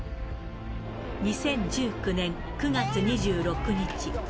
２０１９年９月２６日。